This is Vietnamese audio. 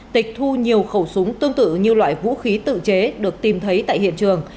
tịch thu nhiều khẩu súng tương tự như loại vũ khí tự chế được tìm thấy tại hiện trường